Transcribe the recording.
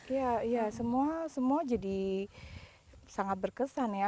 ya semua jadi sangat berkesan ya